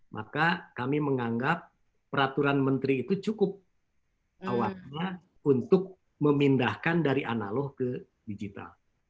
maka kami menganggap peraturan menteri itu cukup awalnya untuk memindahkan dari analog ke digital